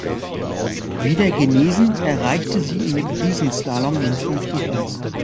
Wieder genesen, erreichte sie im Riesenslalom den fünften Platz.